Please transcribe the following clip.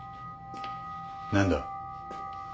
何だ？